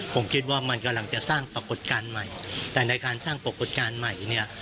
ผมคิดว่ามันกำลังจะสร้างปรากฏการณ์ใหม่แต่ในการสร้างปรากฏการณ์ใหม่เนี่ย